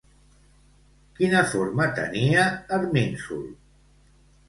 Quina forma tenia Erminsul?